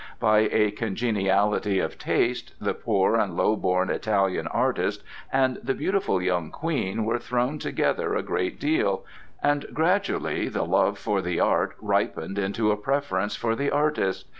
By a congeniality of taste the poor and lowborn Italian artist and the beautiful young Queen were thrown together a great deal, and gradually the love for the art ripened into a preference for the artist.